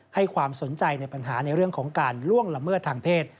ให้ความสนใจในปัญหาในเรื่องของการล่วงละเมิดทางเพศ